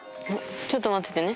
ちょっと待っててね。